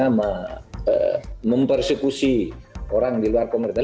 karena mempersekusi orang di luar pemerintah